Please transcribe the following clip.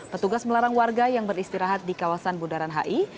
petugas melarang warga yang beristirahat di kawasan bundaran hi